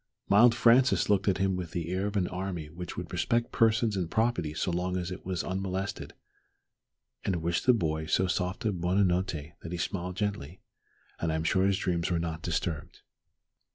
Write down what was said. The mild Francis looked at him with the air of an army which would respect persons and property so long as it was unmolested, and wished the boy so soft a buona notte that he smiled gently, and I am sure his dreams were not disturbed.